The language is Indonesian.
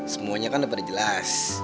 semuanya kan udah pada jelas